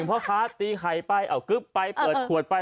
เอ่อนเออพ่อค้าตีไข้เอากื๊บไปเปิดขวดไป